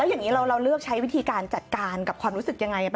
อย่างนี้เราเลือกใช้วิธีการจัดการกับความรู้สึกยังไง